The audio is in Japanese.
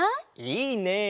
いいね！